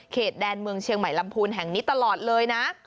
แดนเมืองเชียงใหม่ลำพูนแห่งนี้ตลอดเลยนะ